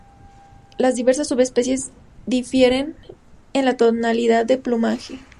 Las diversas subespecies difieren en la tonalidad de plumaje.